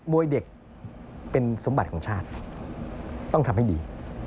วยเด็กเป็นสมบัติของชาติต้องทำให้ดี